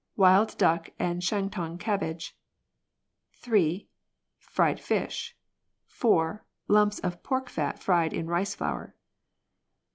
Wild duck and Shantung cabbage. 3. Fried fish. 4. Lumps of pork fat fried in rice flour.